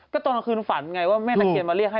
ก็ตอนกลางคืนฝันไงว่าแม่ตะเคียนมาเรียกให้